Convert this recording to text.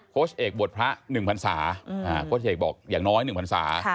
โคชเอกบวชพระ๑พรรษาโคชเอกบอกอย่างน้อย๑พรรษา